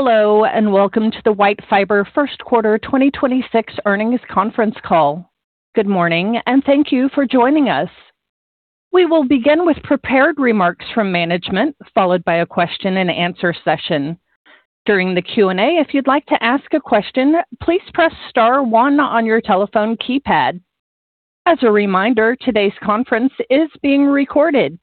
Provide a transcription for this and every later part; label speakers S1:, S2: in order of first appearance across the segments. S1: Hello, and welcome to the White Fiber first quarter 2026 earnings conference call. Good morning, and thank you for joining us. We will begin with prepared remarks from management, followed by a question and answer session. During the Q&A, if you'd like to ask a question, please press star 1 on your telephone keypad. As a reminder, today's conference is being recorded.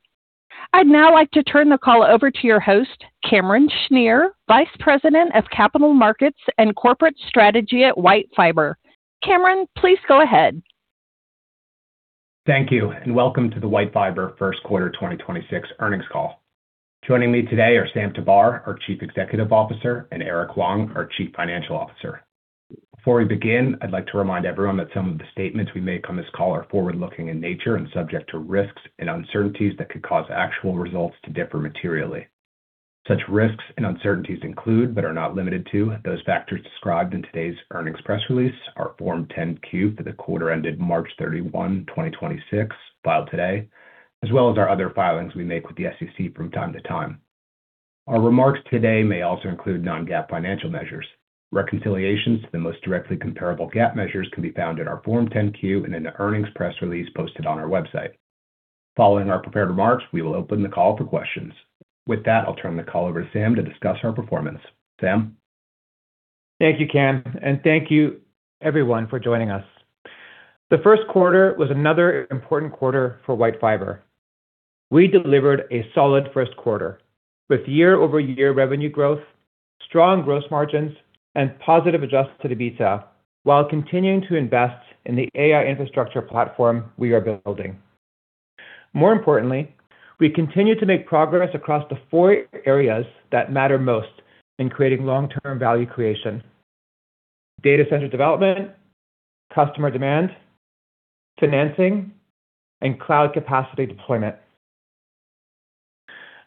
S1: I'd now like to turn the call over to your host, Cameron Schnier, Vice President of Capital Markets and Corporate Strategy at White Fiber. Cameron, please go ahead.
S2: Thank you, and welcome to the White Fiber first quarter 2026 earnings call. Joining me today are Sam Tabar, our Chief Executive Officer, and Erke Huang, our Chief Financial Officer. Before we begin, I'd like to remind everyone that some of the statements we make on this call are forward-looking in nature and subject to risks and uncertainties that could cause actual results to differ materially. Such risks and uncertainties include, but are not limited to, those factors described in today's earnings press release, our Form 10-Q for the quarter ended March 31, 2026, filed today, as well as our other filings we make with the SEC from time to time. Our remarks today may also include non-GAAP financial measures. Reconciliations to the most directly comparable GAAP measures can be found in our Form 10-Q and in the earnings press release posted on our website. Following our prepared remarks, we will open the call for questions. With that, I'll turn the call over to Sam to discuss our performance. Sam.
S3: Thank you, Cam, and thank you everyone for joining us. The first quarter was another important quarter for White Fiber. We delivered a solid first quarter with year-over-year revenue growth, strong gross margins, and positive adjusted EBITDA, while continuing to invest in the AI infrastructure platform we are building. More importantly, we continue to make progress across the four areas that matter most in creating long-term value creation: data center development, customer demand, financing, and cloud capacity deployment.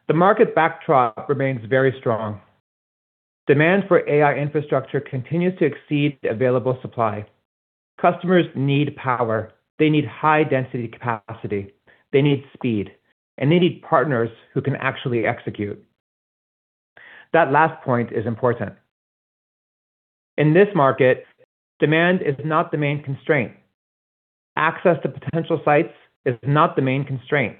S3: The market backdrop remains very strong. Demand for AI infrastructure continues to exceed the available supply. Customers need power. They need high density capacity. They need speed, and they need partners who can actually execute. That last point is important. In this market, demand is not the main constraint. Access to potential sites is not the main constraint.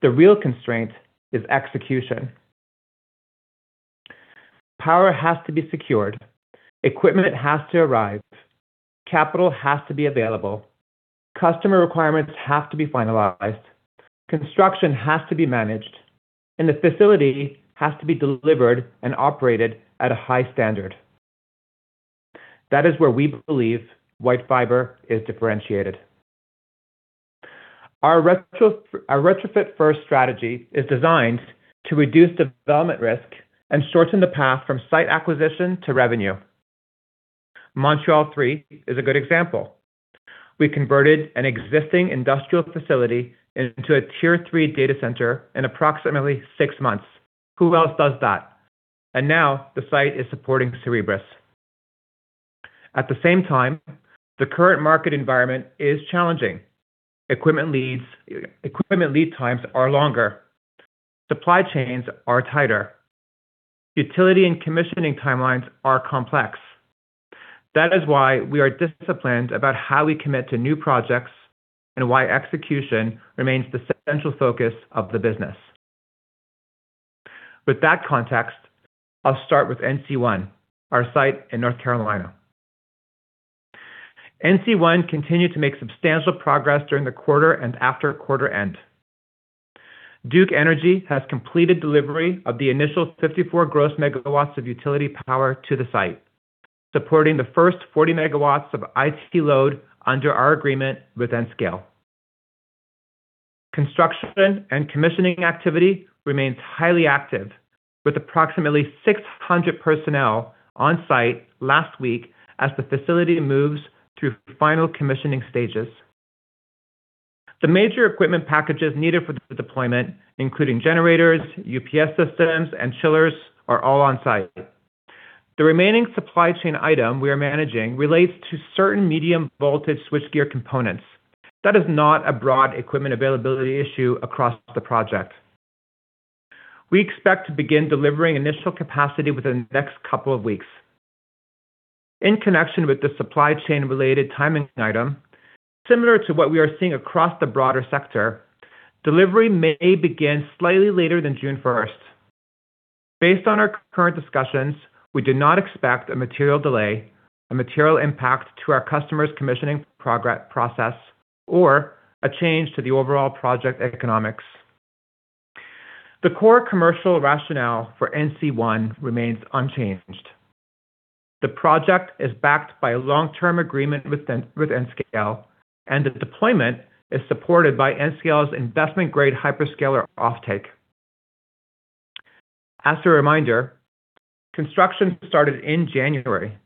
S3: The real constraint is execution. Power has to be secured. Equipment has to arrive. Capital has to be available. Customer requirements have to be finalized. Construction has to be managed, and the facility has to be delivered and operated at a high standard. That is where we believe White Fiber is differentiated. Our retrofit first strategy is designed to reduce development risk and shorten the path from site acquisition to revenue. MTL-3 is a good example. We converted an existing industrial into a Tier III data center in approximately six months. Who else does that? Now the site is supporting Cerebras. At the same time, the current market environment is challenging. Equipment lead times are longer. Supply chains are tighter. Utility and commissioning timelines are complex. That is why we are disciplined about how we commit to new projects and why execution remains the central focus of the business. With that context, I'll start with NC1, our site in North Carolina. NC1 continued to make substantial progress during the quarter and after quarter end. Duke Energy has completed delivery of the initial 54 gross MW of utility power to the site, supporting the first 40 MW of IT load under our agreement with Nscale. Construction and commissioning activity remains highly active, with approximately 600 personnel on site last week as the facility moves through final commissioning stages. The major equipment packages needed for the deployment, including generators, UPS systems, and chillers, are all on site. The remaining supply chain item we are managing relates to certain medium voltage switchgear components. That is not a broad equipment availability issue across the project. We expect to begin delivering initial capacity within the next couple of weeks. In connection with the supply chain related timing item, similar to what we are seeing across the broader sector, delivery may begin slightly later than June 1. Based on our current discussions, we do not expect a material delay, a material impact to our customer's commissioning process, or a change to the overall project economics. The core commercial rationale for NC1 remains unchanged. The project is backed by a long-term agreement with Nscale, and the deployment is supported by Nscale's investment-grade hyperscaler offtake. As a reminder, construction started in January.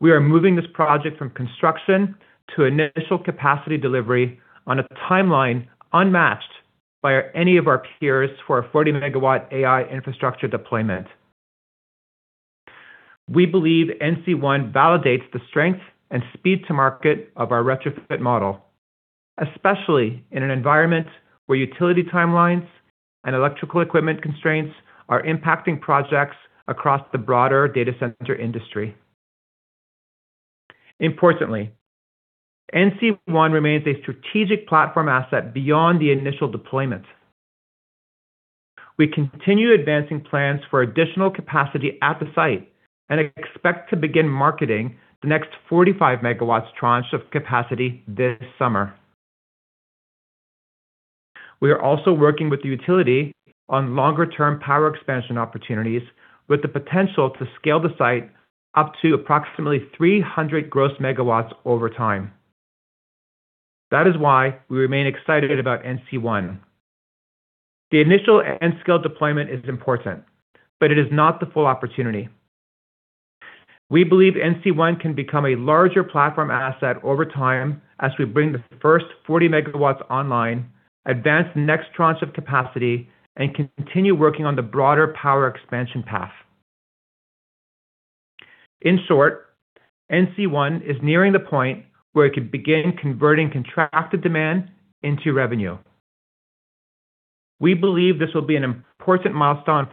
S3: We are moving this project from construction to initial capacity delivery on a timeline unmatched by any of our peers for a 40-megawatt AI infrastructure deployment. We believe NC1 validates the strength and speed to market of our retrofit model. Especially in an environment where utility timelines and electrical equipment constraints are impacting projects across the broader data center industry. Importantly, NC1 remains a strategic platform asset beyond the initial deployment. We continue advancing plans for additional capacity at the site and expect to begin marketing the next 45 MW tranche of capacity this summer. We are also working with the utility on longer term power expansion opportunities with the potential to scale the site up to approximately 300 gross MW over time. That is why we remain excited about NC1. The initial Nscale deployment is important, but it is not the full opportunity. We believe NC1 can become a larger platform asset over time as we bring the first 40 MW online, advance the next tranche of capacity, and continue working on the broader power expansion path. In short, NC1 is nearing the point where it could begin converting contracted demand into revenue. We believe this will be an important milestone.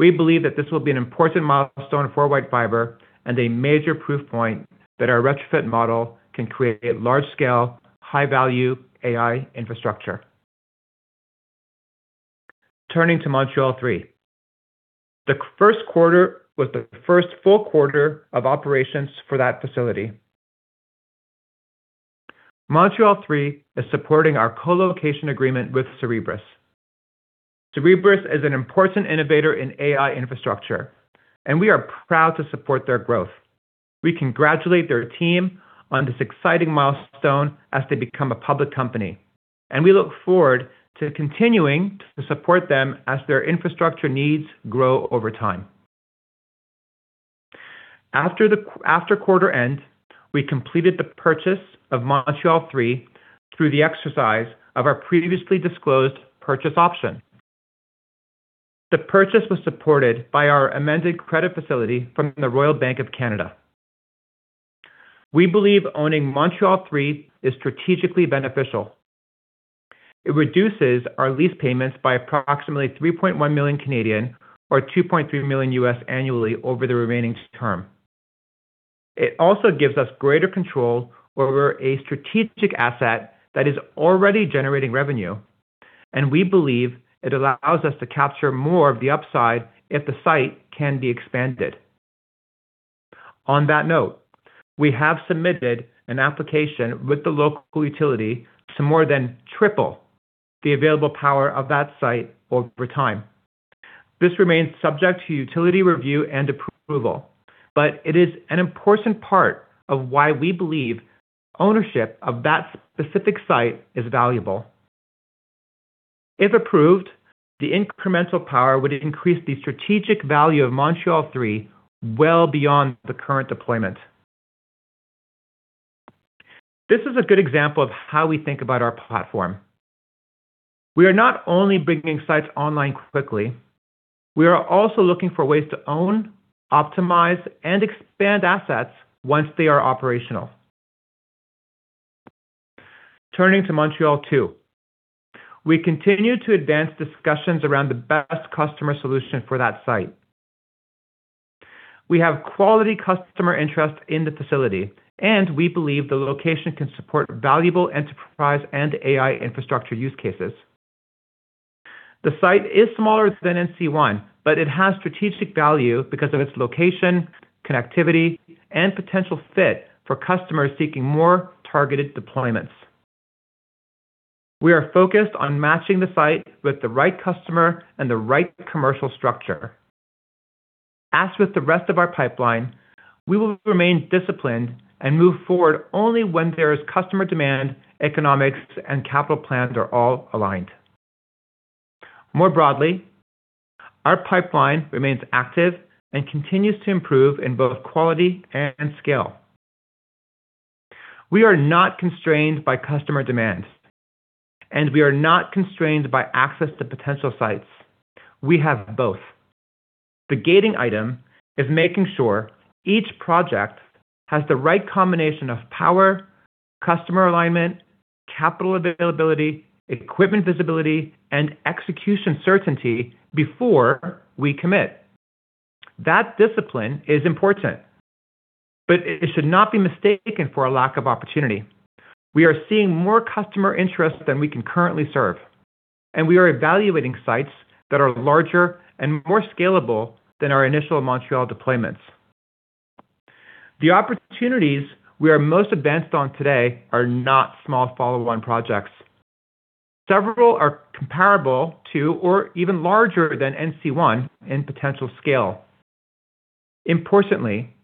S3: We believe that this will be an important milestone for White Fiber and a major proof point that our retrofit model can create large-scale, high-value AI infrastructure. Turning to MTL-3. The first quarter was the first full quarter of operations for that facility. MTL-3 is supporting our colocation agreement with Cerebras. Cerebras is an important innovator in AI infrastructure, and we are proud to support their growth. We congratulate their team on this exciting milestone as they become a public company, and we look forward to continuing to support them as their infrastructure needs grow over time. After quarter end, we completed the purchase of MTL-3 through the exercise of our previously disclosed purchase option. The purchase was supported by our amended credit facility from the Royal Bank of Canada. We believe owning MTL-3 is strategically beneficial. It reduces our lease payments by approximately 3.1 million or $2.3 million annually over the remaining term. It also gives us greater control over a strategic asset that is already generating revenue, and we believe it allows us to capture more of the upside if the site can be expanded. On that note, we have submitted an application with the local utility to more than triple the available power of that site over time. This remains subject to utility review and approval, but it is an important part of why we believe ownership of that specific site is valuable. If approved, the incremental power would increase the strategic value of MTL-3 well beyond the current deployment. This is a good example of how we think about our platform. We are not only bringing sites online quickly, we are also looking for ways to own, optimize, and expand assets once they are operational. Turning to MTL-3. We continue to advance discussions around the best customer solution for that site. We have quality customer interest in the facility, and we believe the location can support valuable enterprise and AI infrastructure use cases. The site is smaller than NC1, but it has strategic value because of its location, connectivity, and potential fit for customers seeking more targeted deployments. We are focused on matching the site with the right customer and the right commercial structure. As with the rest of our pipeline, we will remain disciplined and move forward only when there is customer demand, economics and capital plans are all aligned. More broadly, our pipeline remains active and continues to improve in both quality and scale. We are not constrained by customer demand. We are not constrained by access to potential sites. We have both. The gating item is making sure each project has the right combination of power, customer alignment, capital availability, equipment visibility, and execution certainty before we commit. That discipline is important. It should not be mistaken for a lack of opportunity. We are seeing more customer interest than we can currently serve. We are evaluating sites that are larger and more scalable than our initial Montreal deployments. The opportunities we are most advanced on today are not small follow-on projects. Several are comparable to or even larger than NC1 in potential scale. Importantly,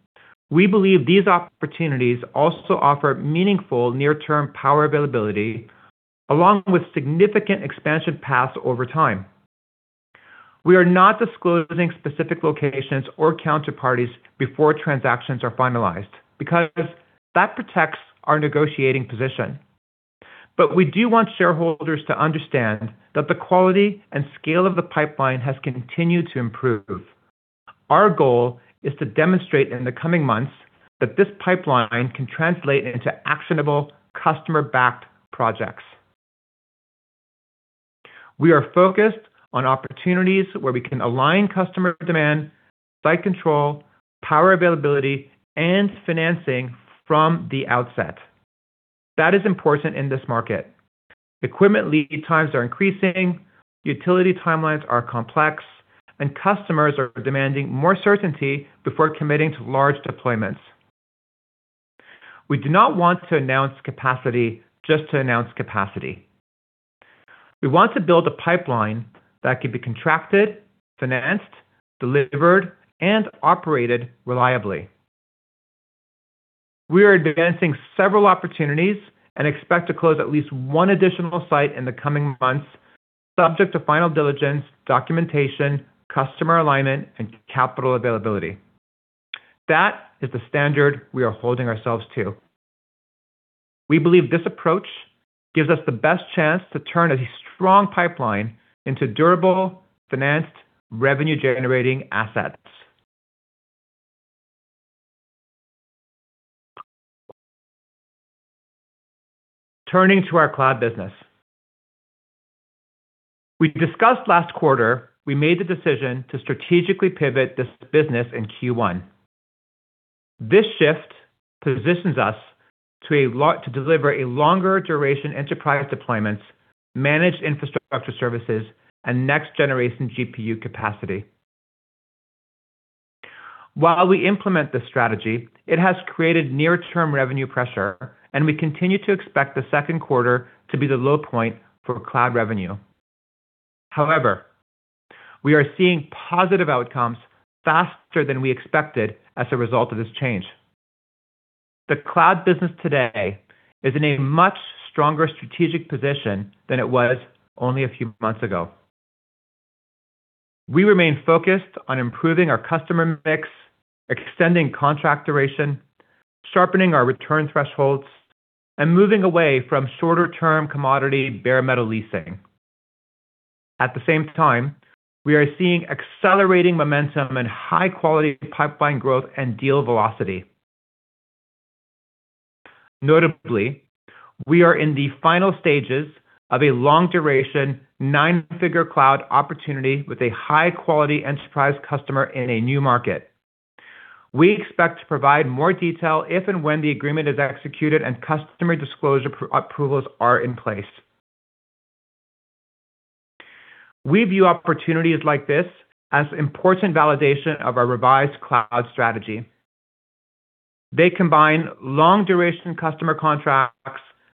S3: we believe these opportunities also offer meaningful near-term power availability along with significant expansion paths over time. We are not disclosing specific locations or counterparties before transactions are finalized because that protects our negotiating position. We do want shareholders to understand that the quality and scale of the pipeline has continued to improve. Our goal is to demonstrate in the coming months that this pipeline can translate into actionable customer-backed projects. We are focused on opportunities where we can align customer demand, site control, power availability, and financing from the outset. That is important in this market. Equipment lead times are increasing, utility timelines are complex, and customers are demanding more certainty before committing to large deployments. We do not want to announce capacity just to announce capacity. We want to build a pipeline that can be contracted, financed, delivered, and operated reliably. We are advancing several opportunities and expect to close at least one additional site in the coming months, subject to final diligence, documentation, customer alignment, and capital availability. That is the standard we are holding ourselves to. We believe this approach gives us the best chance to turn a strong pipeline into durable financed revenue-generating assets. Turning to our cloud business. We discussed last quarter, we made the decision to strategically pivot this business in Q1. This shift positions us to deliver longer-duration enterprise deployments, managed infrastructure services, and next-generation GPU capacity. While we implement this strategy, it has created near-term revenue pressure, and we continue to expect the second quarter to be the low point for cloud revenue. We are seeing positive outcomes faster than we expected as a result of this change. The cloud business today is in a much stronger strategic position than it was only a few months ago. We remain focused on improving our customer mix, extending contract duration, sharpening our return thresholds, and moving away from shorter-term commodity bare metal leasing. At the same time, we are seeing accelerating momentum and high-quality pipeline growth and deal velocity. Notably, we are in the final stages of a long-duration, 9-figure cloud opportunity with a high-quality enterprise customer in a new market. We expect to provide more detail if and when the agreement is executed and customer disclosure approvals are in place. We view opportunities like this as important validation of our revised cloud strategy. They combine long-duration customer contracts,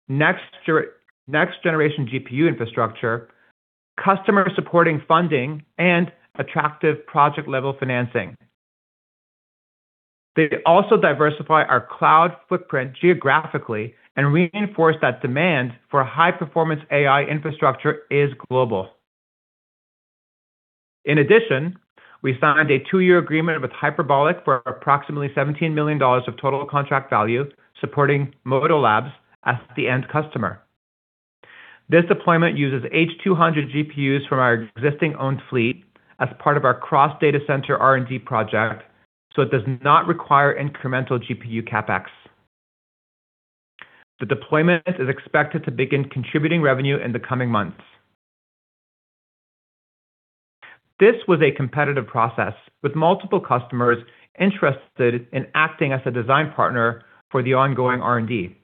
S3: next-generation GPU infrastructure, customer-supporting funding, and attractive project-level financing. They also diversify our cloud footprint geographically and reinforce that demand for high-performance AI infrastructure is global. In addition, we signed a two-year agreement with Hyperbolic for approximately 17 million dollars of total contract value, supporting Modo Labs as the end customer. This deployment uses H200 GPUs from our existing owned fleet as part of our cross data center R&D project, so it does not require incremental GPU CapEx. The deployment is expected to begin contributing revenue in the coming months. This was a competitive process with multiple customers interested in acting as a design partner for the ongoing R&D.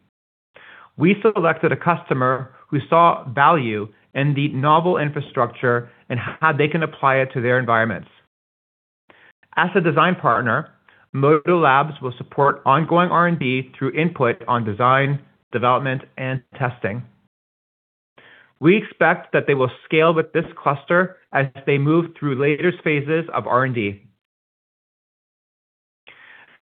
S3: We selected a customer who saw value in the novel infrastructure and how they can apply it to their environments. As a design partner, Modo Labs will support ongoing R&D through input on design, development, and testing. We expect that they will scale with this cluster as they move through later phases of R&D.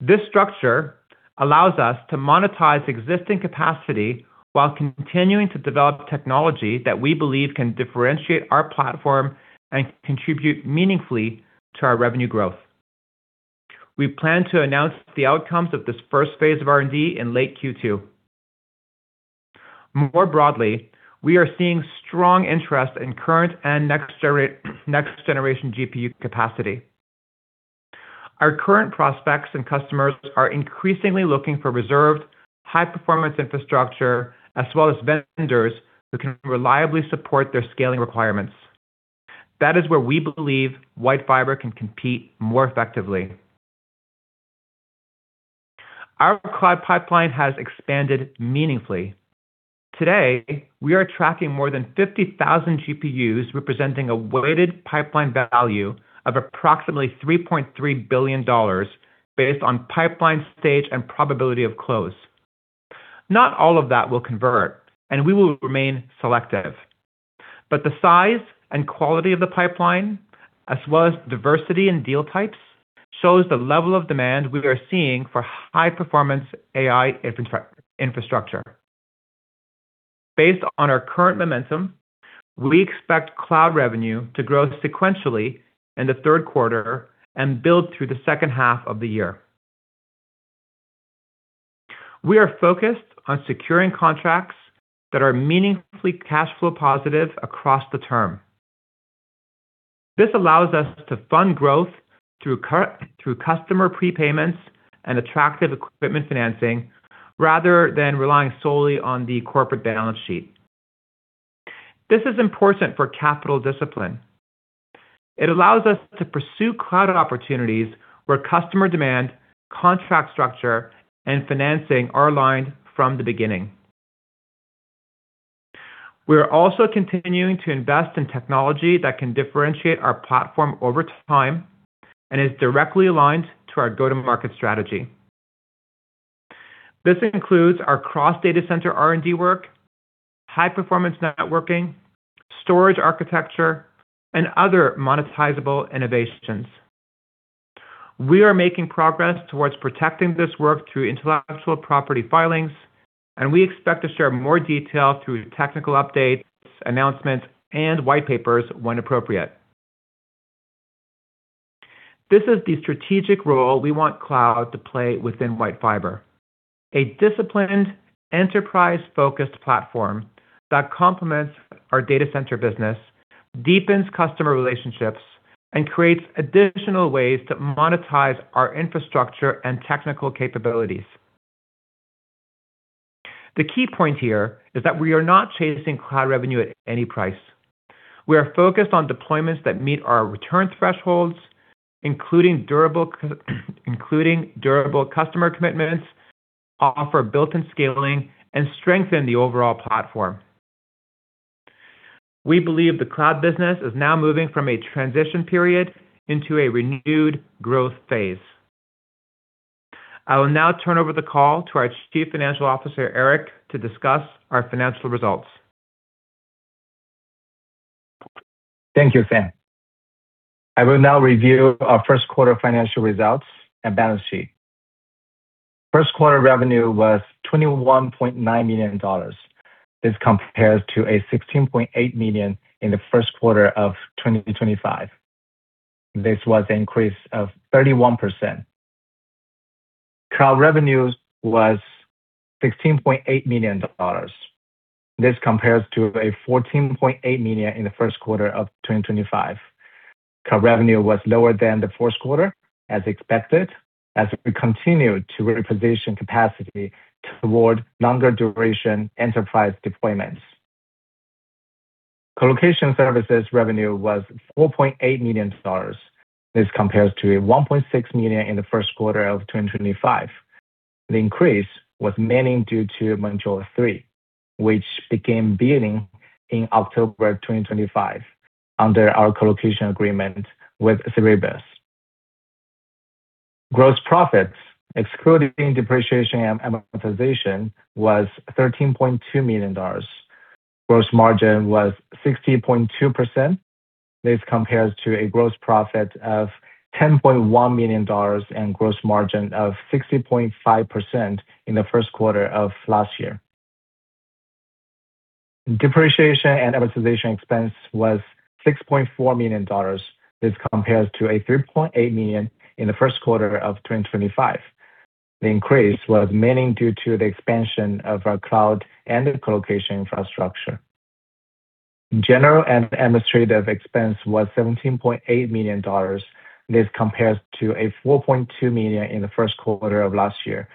S3: This structure allows us to monetize existing capacity while continuing to develop technology that we believe can differentiate our platform and contribute meaningfully to our revenue growth. We plan to announce the outcomes of this first phase of R&D in late Q2. We are seeing strong interest in current and next-generation GPU capacity. Our current prospects and customers are increasingly looking for reserved high-performance infrastructure, as well as vendors who can reliably support their scaling requirements. We believe White Fiber can compete more effectively. Our cloud pipeline has expanded meaningfully. Today, we are tracking more than 50,000 GPUs, representing a weighted pipeline value of approximately $3.3 billion based on pipeline stage and probability of close. Not all of that will convert, and we will remain selective. The size and quality of the pipeline, as well as diversity in deal types, shows the level of demand we are seeing for high-performance AI infrastructure. Based on our current momentum, we expect cloud revenue to grow sequentially in the third quarter and build through the second half of the year. We are focused on securing contracts that are meaningfully cash flow positive across the term. This allows us to fund growth through customer prepayments and attractive equipment financing, rather than relying solely on the corporate balance sheet. This is important for capital discipline. It allows us to pursue cloud opportunities where customer demand, contract structure, and financing are aligned from the beginning. We are also continuing to invest in technology that can differentiate our platform over time and is directly aligned to our go-to-market strategy. This includes our cross data center R&D work, high performance networking, storage architecture, and other monetizable innovations. We are making progress towards protecting this work through intellectual property filings, and we expect to share more details through technical updates, announcements, and white papers when appropriate. This is the strategic role we want cloud to play within White Fiber. A disciplined, enterprise-focused platform that complements our data center business, deepens customer relationships, and creates additional ways to monetize our infrastructure and technical capabilities. The key point here is that we are not chasing cloud revenue at any price. We are focused on deployments that meet our return thresholds, including durable customer commitments, offer built-in scaling, and strengthen the overall platform. We believe the cloud business is now moving from a transition period into a renewed growth phase. I will now turn over the call to our Chief Financial Officer, Erke, to discuss our financial results.
S4: Thank you, Sam. I will now review our first quarter financial results and balance sheet. First quarter revenue was $21.9 million. This compares to a $16.8 million in the first quarter of 2025. This was an increase of 31%. Cloud revenues was $16.8 million. This compares to a $14.8 million in the first quarter of 2025. Cloud revenue was lower than the fourth quarter, as expected, as we continued to reposition capacity toward longer duration enterprise deployments. Colocation services revenue was $4.8 million. This compares to a $1.6 million in the first quarter of 2025. The increase was mainly due to MTL-3, which became billing in October 2025 under our colocation agreement with Cerebras. Gross profit, excluding depreciation and amortization, was $13.2 million. Gross margin was 60.2%. This compares to a gross profit of 10.1 million dollars and gross margin of 60.5% in the first quarter of last year. Depreciation and amortization expense was 6.4 million dollars. This compares to 3.8 million in the first quarter of 2025. The increase was mainly due to the expansion of our cloud and the colocation infrastructure. General and administrative expense was 17.8 million dollars. This compares to 4.2 million in the first quarter of last year.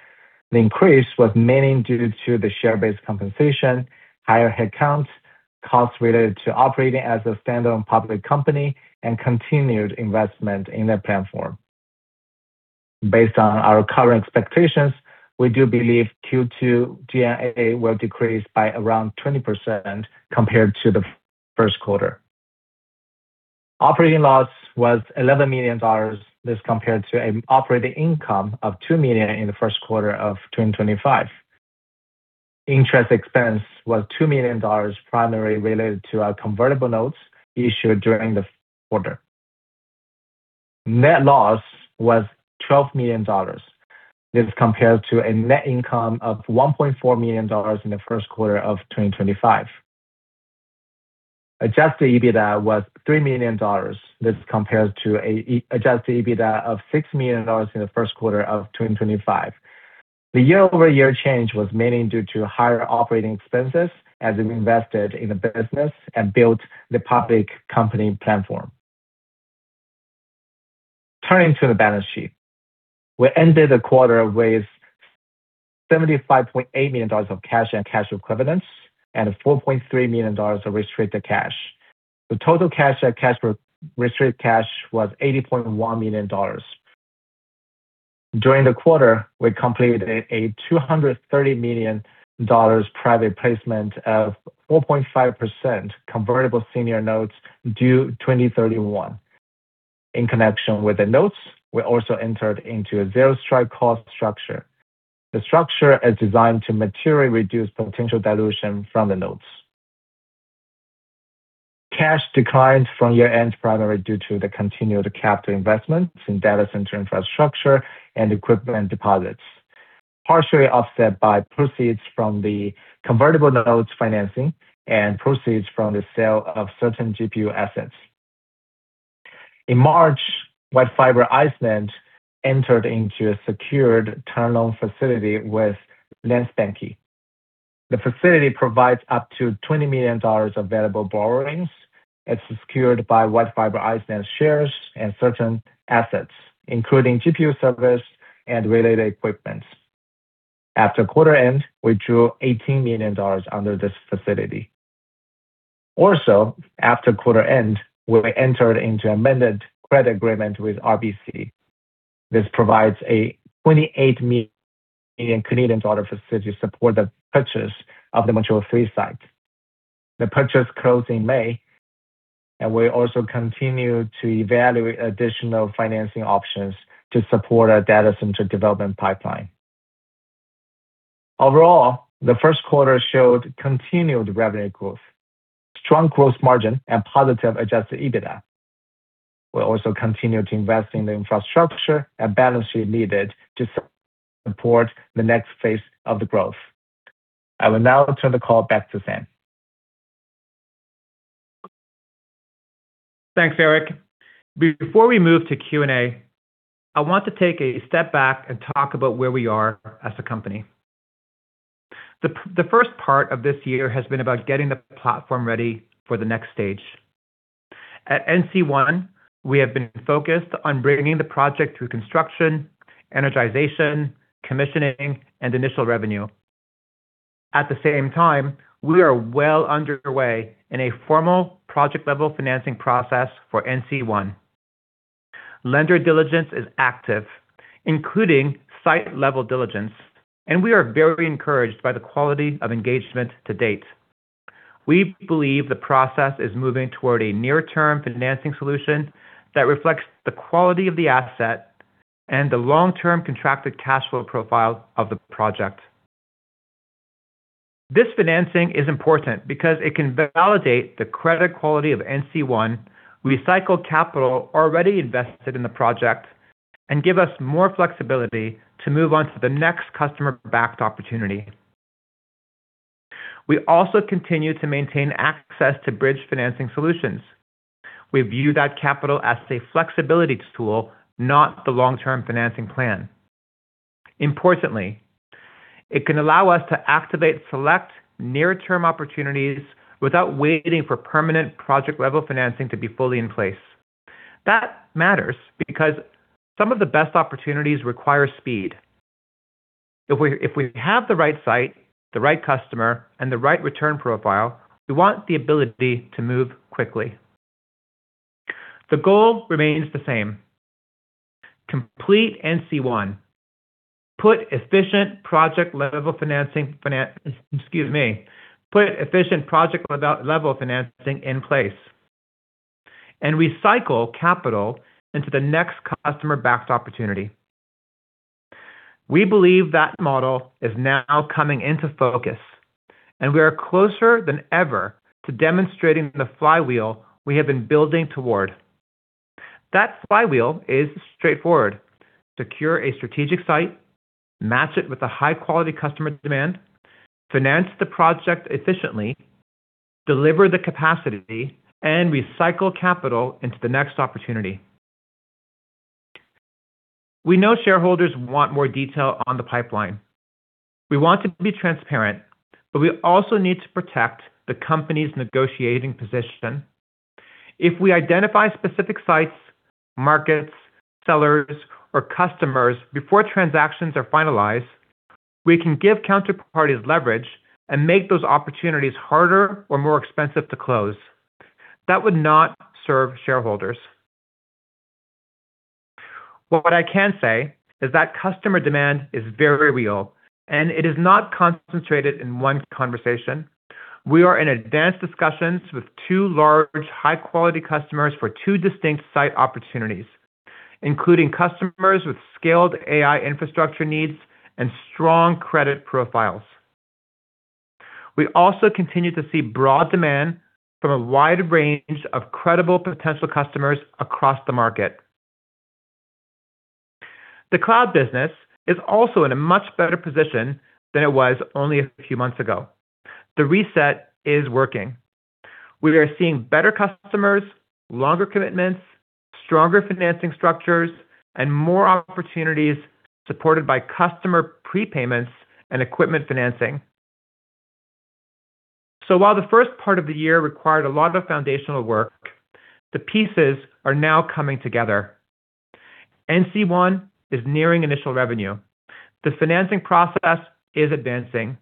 S4: The increase was mainly due to the share-based compensation, higher headcount, costs related to operating as a standalone public company, and continued investment in the platform. Based on our current expectations, we do believe Q2 G&A will decrease by around 20% compared to the first quarter. Operating loss was $11 million. This compared to an operating income of $2 million in the first quarter of 2025. Interest expense was $2 million, primarily related to our convertible notes issued during the quarter. Net loss was $12 million. This compares to a net income of $1.4 million in the first quarter of 2025. Adjusted EBITDA was $3 million. This compares to adjusted EBITDA of $6 million in the first quarter of 2025. The year-over-year change was mainly due to higher operating expenses as we invested in the business and built the public company platform. Turning to the balance sheet. We ended the quarter with $75.8 million of cash and cash equivalents, and $4.3 million of restricted cash. The total cash and restricted cash was $80.1 million. During the quarter, we completed a $230 million private placement of 4.5% convertible senior notes due 2031. In connection with the notes, we also entered into a zero-strike call structure. The structure is designed to materially reduce potential dilution from the notes. Cash declined from year-end, primarily due to the continued capital investments in data center infrastructure and equipment deposits, partially offset by proceeds from the convertible notes financing and proceeds from the sale of certain GPU assets. In March, White Fiber Iceland entered into a secured term loan facility with Landsbankinn. The facility provides up to $20 million available borrowings. It's secured by White Fiber Iceland shares and certain assets, including GPU servers and related equipment. After quarter end, we drew 18 million dollars under this facility. Also, after quarter end, we entered into amended credit agreement with RBC. This provides a 28 million Canadian dollar facility to support the purchase of the MTL-3 site. The purchase closed in May, and we also continue to evaluate additional financing options to support our data center development pipeline. Overall, the first quarter showed continued revenue growth, strong gross margin, and positive adjusted EBITDA. We're also continuing to invest in the infrastructure and balance sheet needed to support the next phase of the growth. I will now turn the call back to Sam.
S3: Thanks, Erke. Before we move to Q&A, I want to take a step back and talk about where we are as a company. The first part of this year has been about getting the platform ready for the next stage. At NC1, we have been focused on bringing the project through construction, energization, commissioning, and initial revenue. At the same time, we are well underway in a formal project-level financing process for NC1. Lender diligence is active, including site-level diligence, and we are very encouraged by the quality of engagement to date. We believe the process is moving toward a near-term financing solution that reflects the quality of the asset and the long-term contracted cash flow profile of the project. This financing is important because it can validate the credit quality of NC1, recycle capital already invested in the project, and give us more flexibility to move on to the next customer-backed opportunity. We also continue to maintain access to bridge financing solutions. We view that capital as a flexibility tool, not the long-term financing plan. It can allow us to activate select near-term opportunities without waiting for permanent project-level financing to be fully in place. That matters because some of the best opportunities require speed. If we have the right site, the right customer, and the right return profile, we want the ability to move quickly. The goal remains the same: complete NC1, put efficient project level financing, excuse me, put efficient project level financing in place, and recycle capital into the next customer-backed opportunity. We believe that model is now coming into focus, and we are closer than ever to demonstrating the flywheel we have been building toward. That flywheel is straightforward. Secure a strategic site, match it with a high-quality customer demand, finance the project efficiently, deliver the capacity, and recycle capital into the next opportunity. We know shareholders want more detail on the pipeline. We want to be transparent, but we also need to protect the company's negotiating position. If we identify specific sites, markets, sellers, or customers before transactions are finalized, we can give counterparty's leverage and make those opportunities harder or more expensive to close. That would not serve shareholders. What I can say is that customer demand is very real, and it is not concentrated in one conversation. We are in advanced discussions with two large high-quality customers for two distinct site opportunities, including customers with scaled AI infrastructure needs and strong credit profiles. We also continue to see broad demand from a wide range of credible potential customers across the market. The cloud business is also in a much better position than it was only a few months ago. The reset is working. We are seeing better customers, longer commitments, stronger financing structures, and more opportunities supported by customer prepayments and equipment financing. While the 1st part of the year required a lot of foundational work, the pieces are now coming together. NC1 is nearing initial revenue. The financing process is advancing.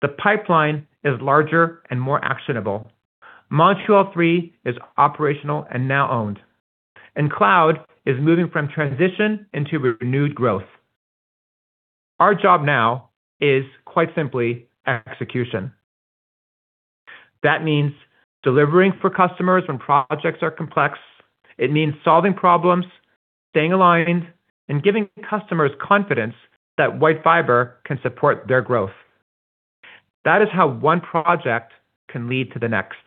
S3: The pipeline is larger and more actionable. MTL-3 is operational and now owned, and cloud is moving from transition into renewed growth. Our job now is quite simply execution. That means delivering for customers when projects are complex. It means solving problems, staying aligned, and giving customers confidence that White Fiber can support their growth. That is how one project can lead to the next.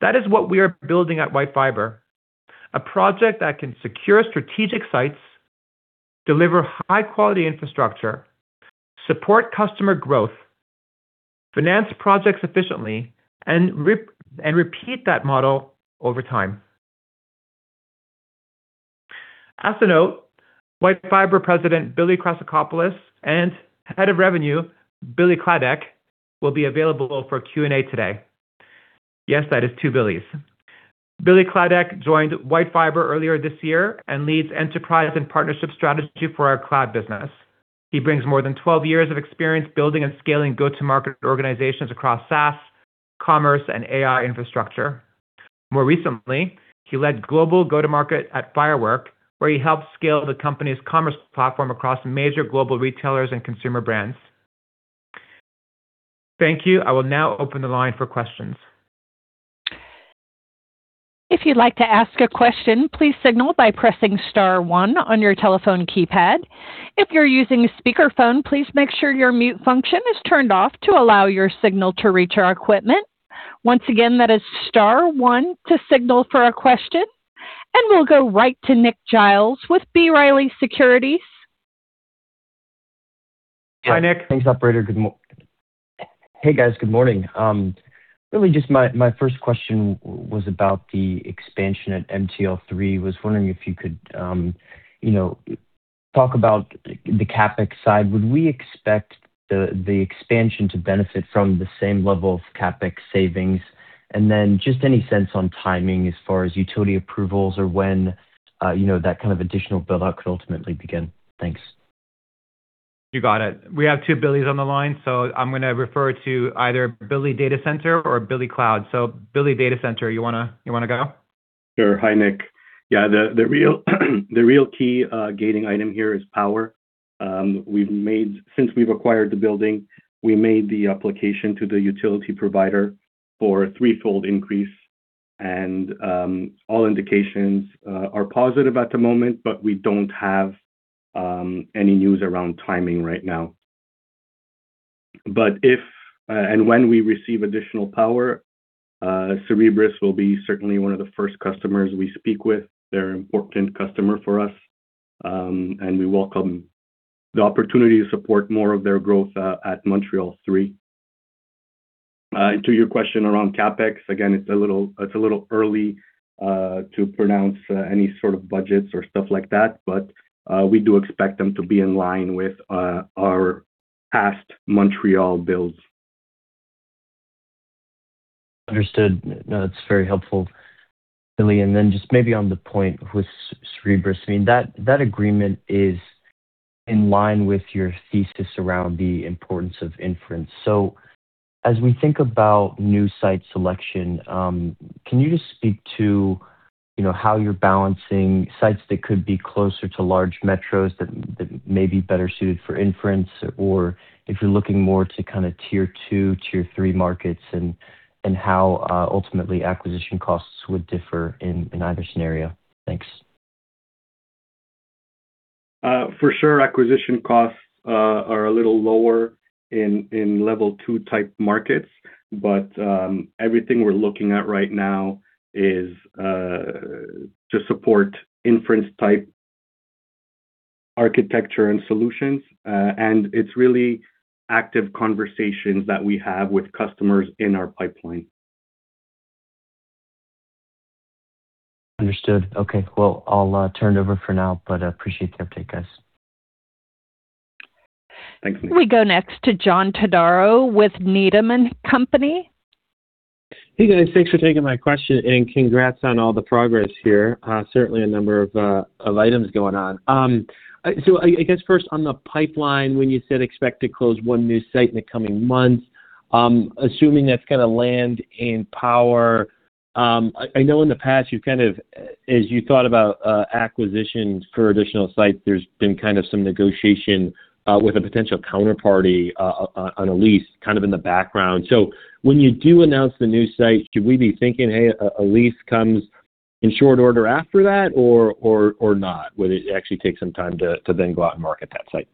S3: That is what we are building at White Fiber, a project that can secure strategic sites, deliver high-quality infrastructure, support customer growth, finance projects efficiently, and repeat that model over time. As a note, White Fiber President Billy Krassakopoulos and Head of Revenue Billy Kladeck will be available for Q&A today. Yes, that is two Billys. Billy Kladeck joined White Fiber earlier this year and leads enterprise and partnership strategy for our cloud business. He brings more than 12 years of experience building and scaling go-to-market organizations across SaaS, commerce, and AI infrastructure. More recently, he led global go-to-market at Firework, where he helped scale the company's commerce platform across major global retailers and consumer brands. Thank you. I will now open the line for questions.
S1: If you'd like to ask a question, please signal by pressing star one on your telephone keypad. If you're using speakerphone, please make sure your mute function is turned off to allow your signal to reach our equipment. Once again, that is star one to signal for a question. We'll go right to Nick Giles with B. Riley Securities.
S3: Hi, Nick.
S5: Thanks, operator. Good morning. Really just my first question was about the expansion at MTL-3. Was wondering if you could, you know, talk about the CapEx side. Would we expect the expansion to benefit from the same level of CapEx savings? Then just any sense on timing as far as utility approvals or when, you know, that kind of additional build-out could ultimately begin? Thanks.
S3: You got it. We have two Billys on the line, I'm gonna refer to either Billy Data Center or Billy Cloud. Billy Data Center, you wanna go?
S6: Sure. Hi, Nick. The real key gating item here is power. Since we've acquired the building, we made the application to the utility provider for a threefold increase. All indications are positive at the moment, but we don't have any news around timing right now. If and when we receive additional power, Cerebras will be certainly one of the first customers we speak with. They're an important customer for us, and we welcome the opportunity to support more of their growth at MTL-3. To your question around CapEx, again, it's a little early to pronounce any sort of budgets or stuff like that, but we do expect them to be in line with our past Montreal builds.
S5: Understood. No, that's very helpful, Billy. Just maybe on the point with Cerebras, I mean, that agreement is in line with your thesis around the importance of inference. As we think about new site selection, can you just speak to, you know, how you're balancing sites that could be closer to large metros that may be better suited for inference, or if you're looking more to kinda Tier 2 and Tier 3 markets and how ultimately acquisition costs would differ in either scenario? Thanks.
S6: For sure, acquisition costs are a little lower in Tier 2 markets, but everything we're looking at right now is to support inference type architecture and solutions. It's really active conversations that we have with customers in our pipeline.
S5: Understood. Okay. Well, I'll turn it over for now, but appreciate the update, guys.
S6: Thanks, Nick.
S1: We go next to John Todaro with Needham & Company.
S7: Hey, guys. Thanks for taking my question, and congrats on all the progress here. Certainly a number of items going on. I guess first on the pipeline, when you said expect to close 1 new site in the coming months, assuming that's kinda land and power, I know in the past you've kind of, as you thought about acquisitions for additional sites, there's been kind of some negotiation with a potential counterparty on a lease kind of in the background. When you do announce the new site, should we be thinking, hey, a lease comes in short order after that or not? Would it actually take some time to then go out and market that site?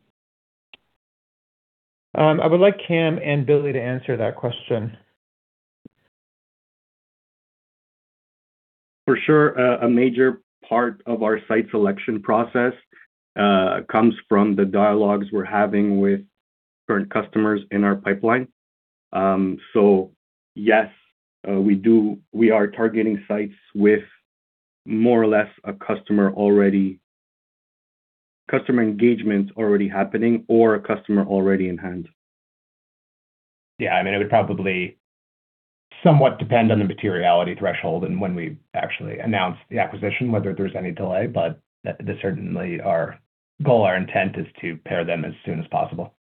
S3: I would like Cam and Billy to answer that question.
S2: For sure. A major part of our site selection process, comes from the dialogues we're having with current customers in our pipeline. Yes, we do. We are targeting sites with more or less a customer already engagements already happening or a customer already in hand.
S8: I mean, it would probably somewhat depend on the materiality threshold and when we actually announce the acquisition, whether there's any delay. Certainly our goal, our intent is to pair them as soon as possible.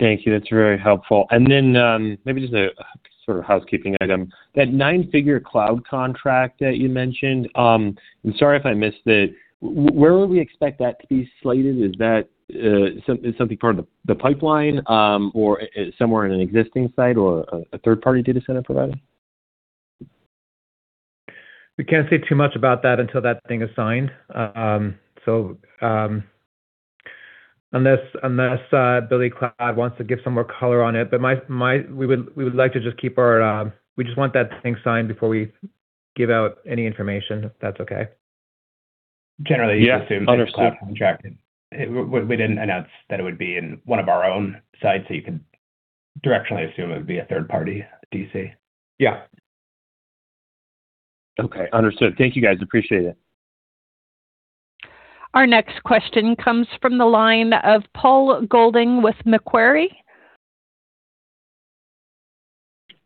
S7: Thank you. That's very helpful. Then, maybe just a sort of housekeeping item. That nine-figure cloud contract that you mentioned, I'm sorry if I missed it. Where would we expect that to be slated? Is that something part of the pipeline, or somewhere in an existing site or a third-party data center provider?
S3: We can't say too much about that until that thing is signed. Unless Billy Kladeck wants to give some more color on it. We just want that thing signed before we give out any information, if that's okay.
S8: Generally, you assume some cloud contract. We didn't announce that it would be in one of our own sites, so you can directionally assume it would be a third party DC. Yeah.
S7: Okay. Understood. Thank you, guys. Appreciate it.
S1: Our next question comes from the line of Paul Golding with Macquarie.
S3: Hi, Paul.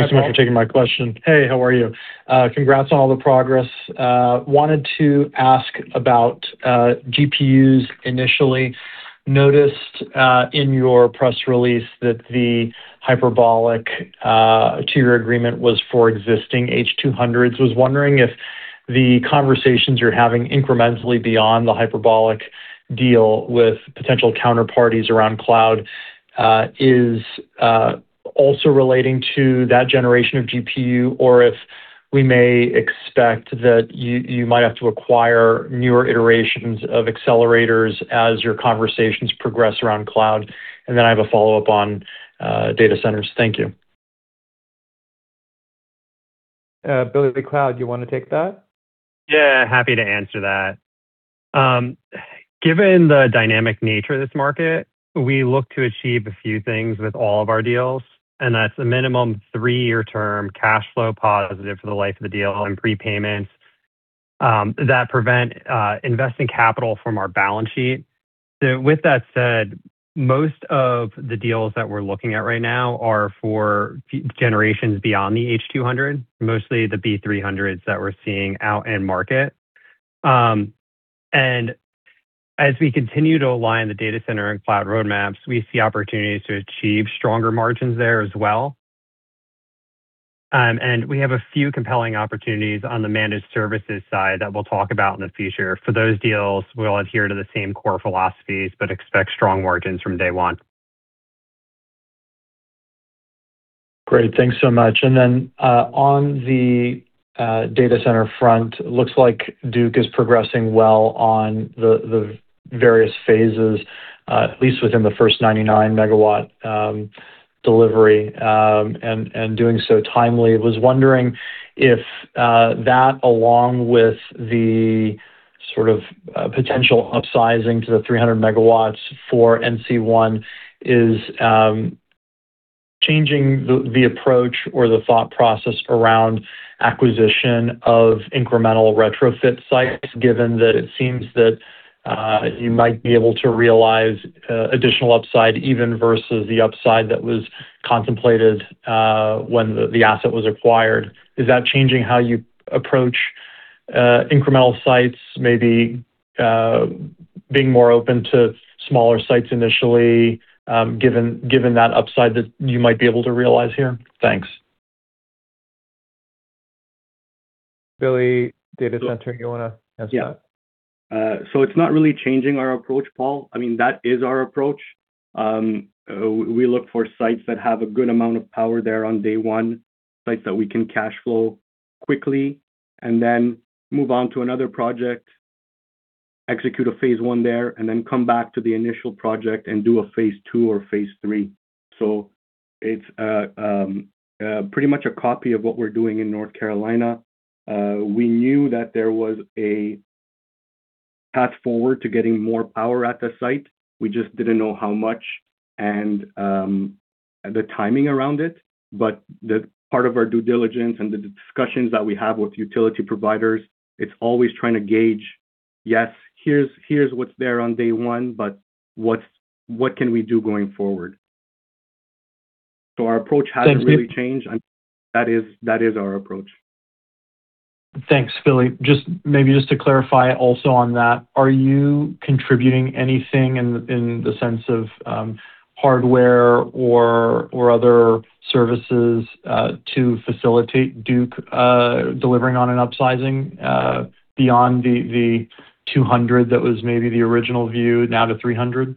S9: Thanks so much for taking my question. Hey, how are you? Congrats on all the progress. Wanted to ask about GPUs initially. Noticed in your press release that the Hyperbolic two-year agreement was for existing H200s. Was wondering if the conversations you're having incrementally beyond the Hyperbolic deal with potential counterparties around cloud is also relating to that generation of GPU or if we may expect that you might have to acquire newer iterations of accelerators as your conversations progress around cloud. I have a follow-up on data centers. Thank you.
S3: Billy Kladeck, you wanna take that?
S8: Yeah, happy to answer that. Given the dynamic nature of this market, we look to achieve a few things with all of our deals, and that's a minimum 3-year term cash flow positive for the life of the deal and prepayments that prevent investing capital from our balance sheet. With that said, most of the deals that we're looking at right now are for generations beyond the H200, mostly the B300s that we're seeing out in market. As we continue to align the data center and cloud roadmaps, we see opportunities to achieve stronger margins there as well. We have a few compelling opportunities on the managed services side that we'll talk about in the future. For those deals, we'll adhere to the same core philosophies, expect strong margins from day one.
S9: Great. Thanks so much. On the data center front, looks like Duke is progressing well on the various phases, at least within the first 99 MW delivery, and doing so timely. Was wondering if that along with the sort of potential upsizing to the 300 MW for NC1 is changing the approach or the thought process around acquisition of incremental retrofit sites, given that it seems that you might be able to realize additional upside even versus the upside that was contemplated when the asset was acquired. Is that changing how you approach incremental sites, maybe being more open to smaller sites initially, given that upside that you might be able to realize here? Thanks.
S3: Billy, data center, you wanna answer that?
S6: Yeah. It's not really changing our approach, Paul. I mean, that is our approach. We look for sites that have a good amount of power there on day one, sites that we can cashflow quickly and then move on to another project, execute a phase 1 there, and then come back to the initial project and do a phase 2 or phase 3. It's pretty much a copy of what we're doing in North Carolina. We knew that there was a path forward to getting more power at the site. We just didn't know how much and the timing around it. The part of our due diligence and the discussions that we have with utility providers, it's always trying to gauge, yes, here's what's there on day one, what can we do going forward? Our approach hasn't really changed.
S9: Thank you.
S6: That is our approach.
S9: Thanks, Billy. Maybe just to clarify also on that, are you contributing anything in the sense of hardware or other services, to facilitate Duke delivering on an upsizing, beyond the 200 that was maybe the original view now to 300?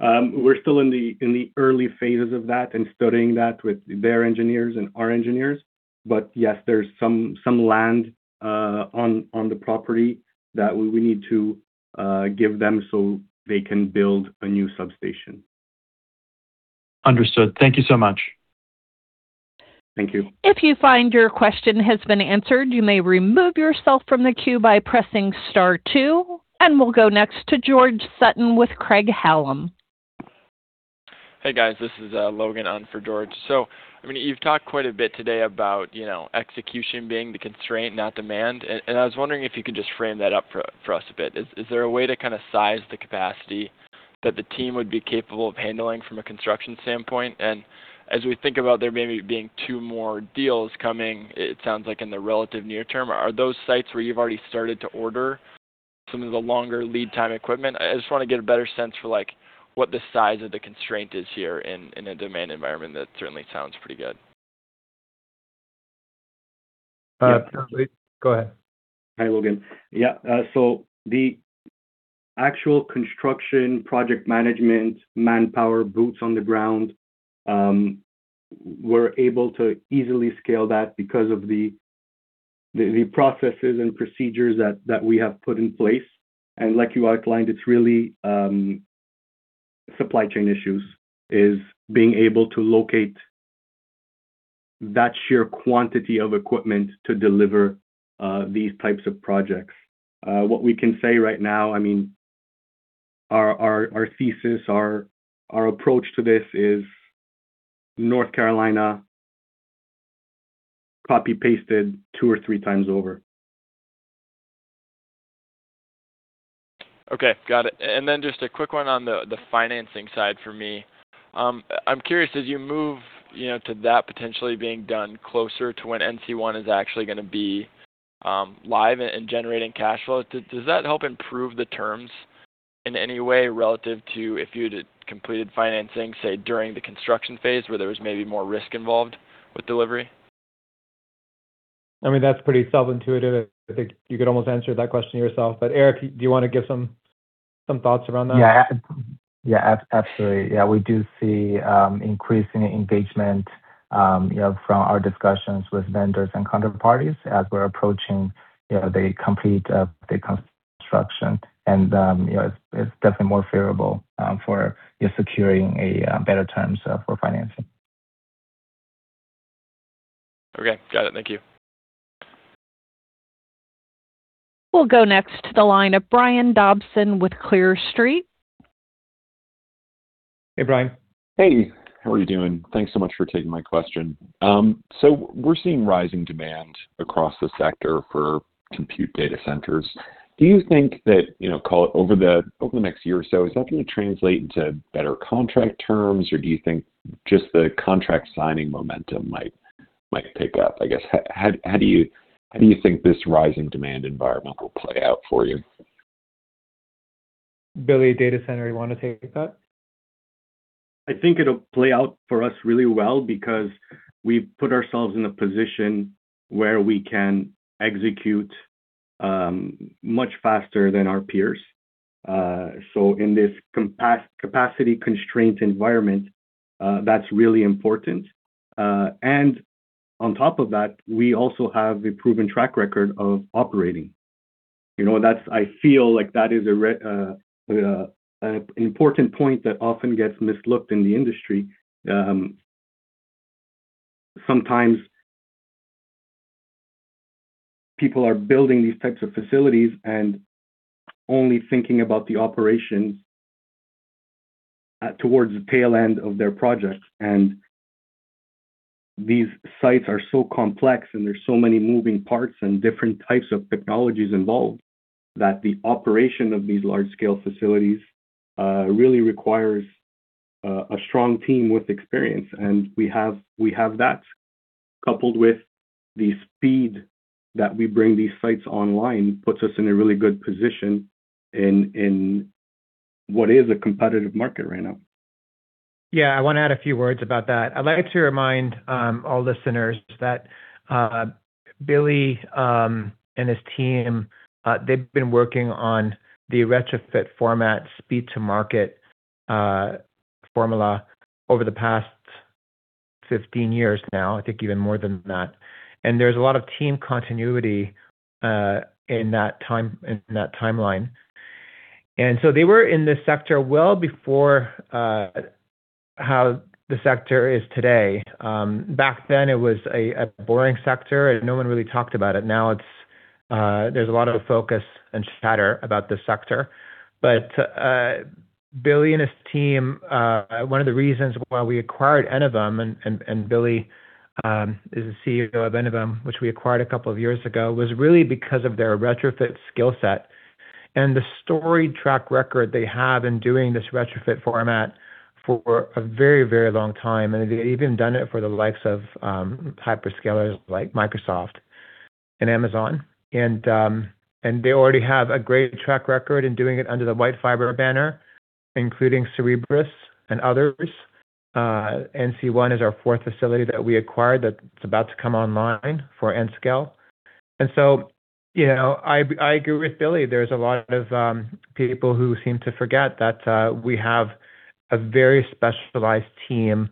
S6: We're still in the early phases of that and studying that with their engineers and our engineers, but yes, there's some land on the property that we need to give them so they can build a new substation.
S9: Understood. Thank you so much.
S6: Thank you.
S1: If you find your question has been answered, you may remove yourself from the queue by pressing star 2. We'll go next to George Sutton with Craig-Hallum.
S10: Hey, guys. This is Logan on for George. I mean, you've talked quite a bit today about, you know, execution being the constraint, not demand. I was wondering if you could just frame that up for us a bit. Is there a way to kind of size the capacity that the team would be capable of handling from a construction standpoint? As we think about there maybe being two more deals coming, it sounds like in the relative near term. Are those sites where you've already started to order some of the longer lead time equipment? I just wanna get a better sense for, like, what the size of the constraint is here in a demand environment that certainly sounds pretty good.
S3: Go ahead.
S6: Hi, Logan. Yeah. The actual construction, project management, manpower, boots on the ground, we're able to easily scale that because of the processes and procedures that we have put in place. Like you outlined, it's really Supply chain issues being able to locate that sheer quantity of equipment to deliver these types of projects. What we can say right now, I mean, our thesis, our approach to this is North Carolina copy-pasted two or three times over.
S10: Okay. Got it. Just a quick one on the financing side for me. I'm curious, as you move, you know, to that potentially being done closer to when NC1 is actually gonna be live and generating cash flow, does that help improve the terms in any way relative to if you'd had completed financing, say, during the construction phase, where there was maybe more risk involved with delivery?
S3: I mean, that's pretty self-intuitive. I think you could almost answer that question yourself. Erke, do you wanna give some thoughts around that?
S4: Yeah. Yeah, absolutely. Yeah, we do see increasing engagement, you know, from our discussions with vendors and counterparties as we're approaching, you know, the complete construction. It's definitely more favorable, you know, for securing better terms for financing.
S10: Okay. Got it. Thank you.
S1: We'll go next to the line of Brian Dobson with Clear Street.
S3: Hey, Brian.
S11: Hey. How are you doing? Thanks so much for taking my question. We're seeing rising demand across the sector for compute data centers. Do you think that, you know, call it over the next year or so, is that gonna translate into better contract terms, or do you think just the contract signing momentum might pick up? I guess, how do you think this rising demand environment will play out for you?
S3: Billy, data center, you wanna take that?
S6: I think it'll play out for us really well because we've put ourselves in a position where we can execute much faster than our peers. In this capacity constraint environment, that's really important. On top of that, we also have a proven track record of operating. You know, I feel like that is an important point that often gets overlooked in the industry. Sometimes people are building these types of facilities and only thinking about the operations towards the tail end of their projects. These sites are so complex, and there's so many moving parts and different types of technologies involved, that the operation of these large scale facilities really requires a strong team with experience. We have that. Coupled with the speed that we bring these sites online puts us in a really good position in what is a competitive market right now.
S3: Yeah. I wanna add a few words about that. I'd like to remind all listeners that Billy and his team, they've been working on the retrofit format speed to market formula over the past 15 years now, I think even more than that. There's a lot of team continuity in that time, in that timeline. They were in this sector well before how the sector is today. Back then, it was a boring sector, and no one really talked about it. Now it's, there's a lot of focus and chatter about this sector. Billy and his team, one of the reasons why we acquired Enovum, and Billy is the CEO of Enovum, which we acquired a couple of years ago, was really because of their retrofit skill set and the storied track record they have in doing this retrofit format for a very long time. They've even done it for the likes of hyperscalers like Microsoft and Amazon. They already have a great track record in doing it under the White Fiber banner, including Cerebras and others. NC1 is our fourth facility that we acquired that's about to come online for Nscale. You know, I agree with Billy. There's a lot of people who seem to forget that we have a very specialized team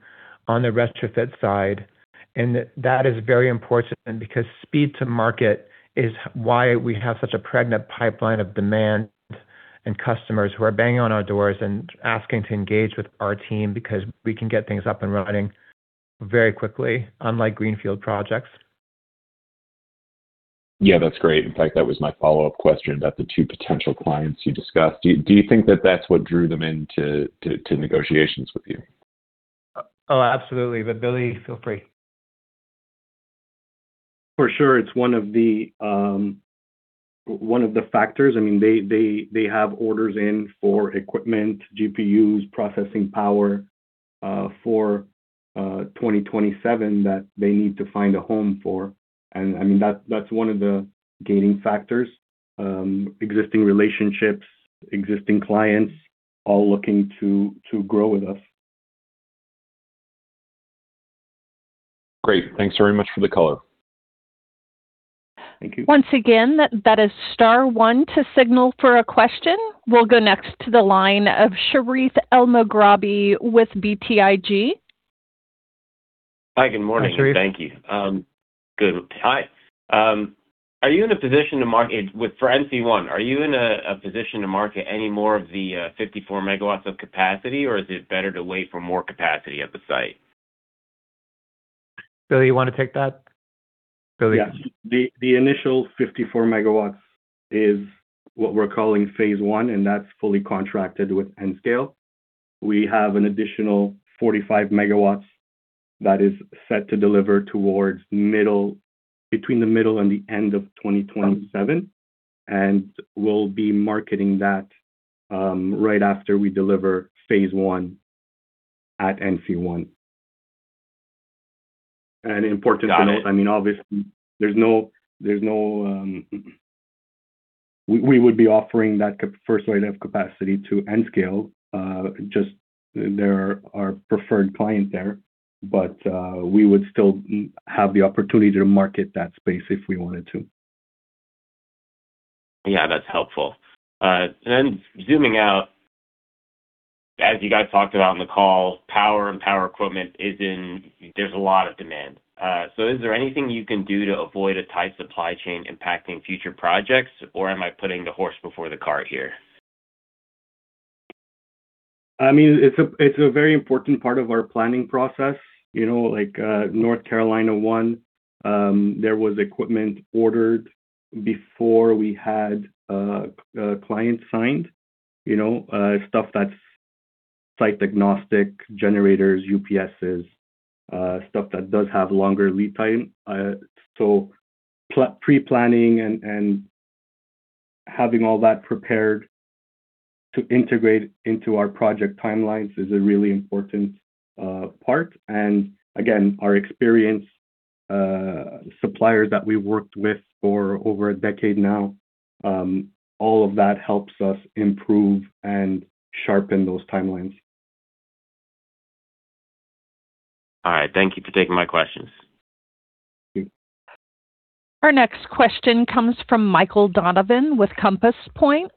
S3: on the retrofit side, and that is very important because speed to market is why we have such a pregnant pipeline of demand and customers who are banging on our doors and asking to engage with our team because we can get things up and running very quickly, unlike greenfield projects.
S11: Yeah, that's great. In fact, that was my follow-up question about the two potential clients you discussed. Do you think that that's what drew them into negotiations with you?
S3: Oh, absolutely. Billy, feel free.
S6: For sure. It's one of the, one of the factors. I mean, they have orders in for equipment, GPUs, processing power, for 2027 that they need to find a home for. I mean, that's one of the gating factors. Existing relationships, existing clients all looking to grow with us.
S11: Great. Thanks very much for the color.
S6: Thank you.
S1: Once again, that is star 1 to signal for a question. We'll go next to the line of Sherif Elmaghrabi with BTIG.
S12: Hi, good morning.
S3: Hi, Sherif.
S12: Thank you. Good. Hi. With, for NC1, are you in a position to market any more of the 54 MW of capacity or is it better to wait for more capacity at the site?
S3: Billy, you wanna take that? Billy?
S6: Yeah. The initial 54 megawatts is what we're calling phase 1, and that's fully contracted with Nscale. We have an additional 45 megawatts that is set to deliver between the middle and the end of 2027. We'll be marketing that, right after we deliver phase 1 at NC1. Important to note.
S12: Got it.
S6: I mean, obviously, there's no We would be offering that first wave of capacity to Nscale, just they're our preferred client there. We would still have the opportunity to market that space if we wanted to.
S12: Yeah, that's helpful. Zooming out, as you guys talked about on the call, power and power equipment there's a lot of demand. Is there anything you can do to avoid a tight supply chain impacting future projects, or am I putting the horse before the cart here?
S6: I mean, it's a very important part of our planning process. You know, like North Carolina 1, there was equipment ordered before we had clients signed. You know, stuff that's site agnostic, generators, UPSs, stuff that does have longer lead time. Pre-planning and having all that prepared to integrate into our project timelines is a really important part. Again, our experienced suppliers that we worked with for over a decade now, all of that helps us improve and sharpen those timelines.
S12: All right. Thank you for taking my questions.
S6: Thank you.
S1: Our next question comes from Michael Donovan with Compass Point.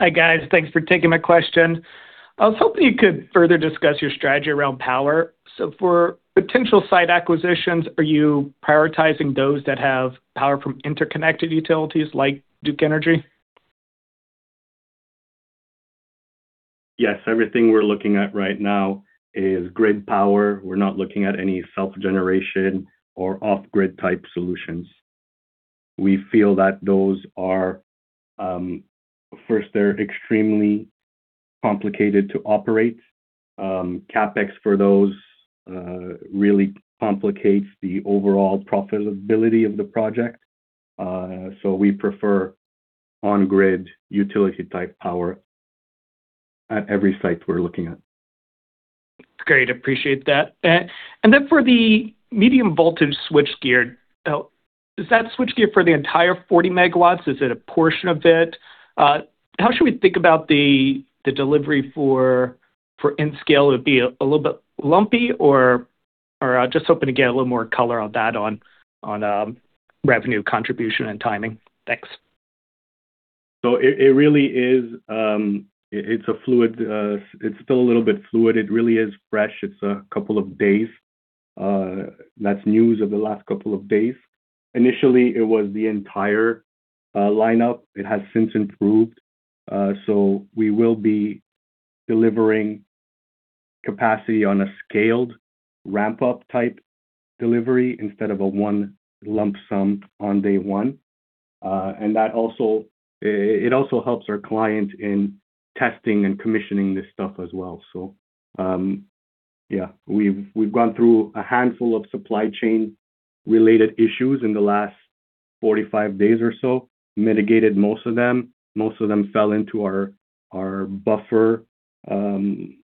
S13: Hi, guys. Thanks for taking my question. I was hoping you could further discuss your strategy around power. For potential site acquisitions, are you prioritizing those that have power from interconnected utilities like Duke Energy?
S6: Yes. Everything we're looking at right now is grid power. We're not looking at any self-generation or off-grid type solutions. We feel that those are, First, they're extremely complicated to operate. CapEx for those really complicates the overall profitability of the project. We prefer on-grid utility type power at every site we're looking at.
S13: Great. Appreciate that. Then for the medium voltage switchgear, is that switchgear for the entire 40 MW? Is it a portion of it? How should we think about the delivery for Nscale? Would it be a little bit lumpy or I'm just hoping to get a little more color on that on revenue contribution and timing. Thanks.
S6: It really is. It is still a little bit fluid. It really is fresh. It is two days old. That is news of the last 2 days. Initially, it was the entire lineup. It has since improved. We will be delivering capacity on a scaled ramp-up type delivery instead of a one lump sum on day one. That also, it also helps our client in testing and commissioning this stuff as well. We have gone through a handful of supply chain related issues in the last 45 days or so. Mitigated most of them. Most of them fell into our buffer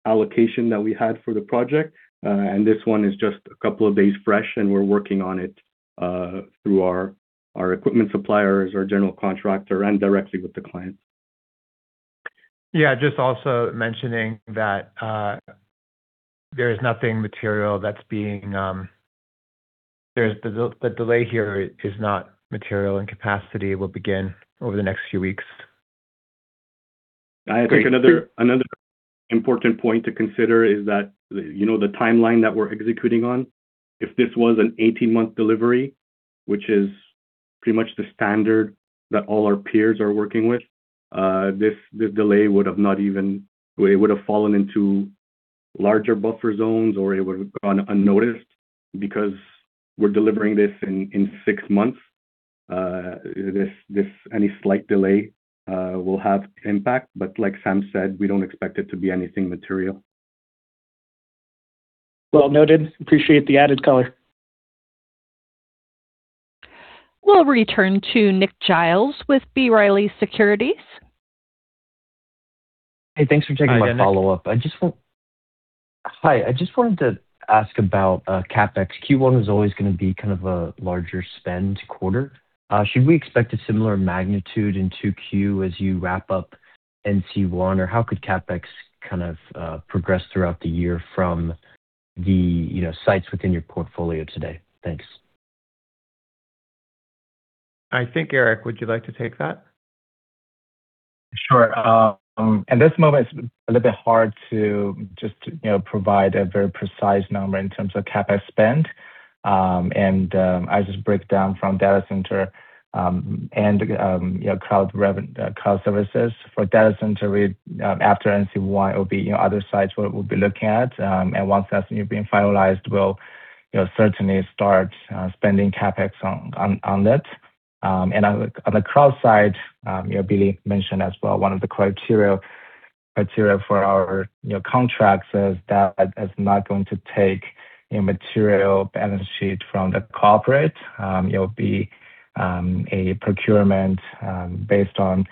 S6: allocation that we had for the project. This one is just a couple of days fresh, and we're working on it through our equipment suppliers, our general contractor, and directly with the client.
S3: Just also mentioning that, the delay here is not material, and capacity will begin over the next few weeks.
S6: I think another important point to consider is that, you know, the timeline that we're executing on, if this was an 18-month delivery, which is pretty much the standard that all our peers are working with, this delay would have not even. It would have fallen into larger buffer zones, or it would have gone unnoticed. We're delivering this in 6 months, this, any slight delay will have impact. Like Sam said, we don't expect it to be anything material.
S13: Well noted. Appreciate the added color.
S1: We'll return to Nick Giles with B. Riley Securities.
S5: Hey, thanks for taking my follow-up.
S6: Hi, Nick.
S5: I just wanted to ask about CapEx. Q1 is always gonna be kind of a larger spend quarter. Should we expect a similar magnitude in 2Q as you wrap up NC1, or how could CapEx kind of progress throughout the year from the, you know, sites within your portfolio today? Thanks.
S3: I think, Erke, would you like to take that?
S4: Sure. At this moment, it's a little bit hard to just, you know, provide a very precise number in terms of CapEx spend. I just break down from data center and, you know, cloud services. For data center, we, after NC1 will be, you know, other sites where we'll be looking at. Once that's been finalized, we'll, you know, certainly start spending CapEx on that. On the cloud side, you know, Billy mentioned as well one of the criteria for our, you know, contracts is that it's not going to take a material balance sheet from the corporate. It will be a procurement based on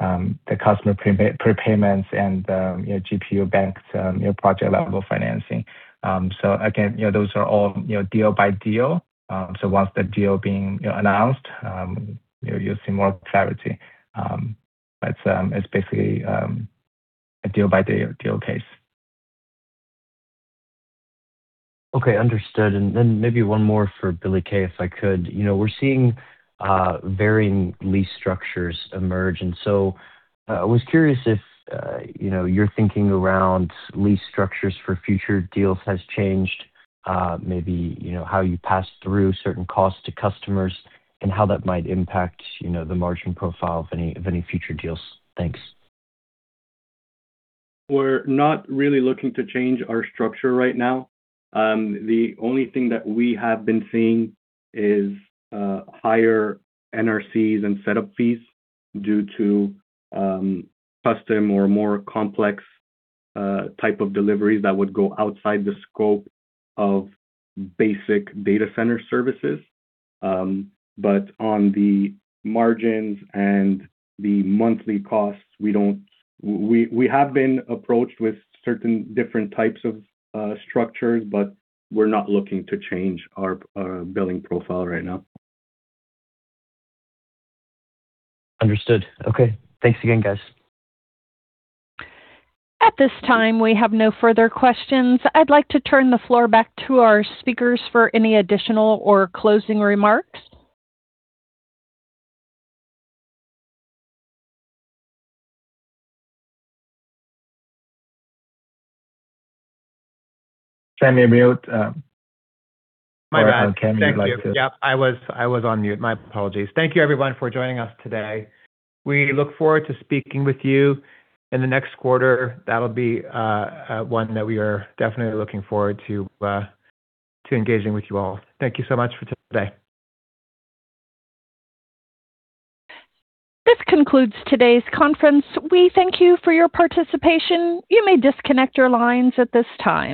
S4: the customer prepayments and, you know, GPU banks, you know, project-level financing. Again, you know, those are all, you know, deal by deal. Once the deal being, you know, announced, you know, you'll see more clarity. It's basically a deal by deal case.
S5: Okay. Understood. Maybe one more for Billy Krassakopoulos, if I could. You know, we're seeing varying lease structures emerge. I was curious if, you know, your thinking around lease structures for future deals has changed, maybe, you know, how you pass through certain costs to customers and how that might impact, you know, the margin profile of any future deals. Thanks.
S6: We're not really looking to change our structure right now. The only thing that we have been seeing is higher NRCs and setup fees due to custom or more complex type of deliveries that would go outside the scope of basic data center services. On the margins and the monthly costs, we have been approached with certain different types of structures, but we're not looking to change our billing profile right now.
S5: Understood. Okay. Thanks again, guys.
S1: At this time, we have no further questions. I'd like to turn the floor back to our speakers for any additional or closing remarks.
S4: Sam, you're mute.
S3: My bad. Thank you. I was on mute. My apologies. Thank you everyone for joining us today. We look forward to speaking with you in the next quarter. That'll be one that we are definitely looking forward to engaging with you all. Thank you so much for today.
S1: This concludes today's conference. We thank you for your participation. You may disconnect your lines at this time.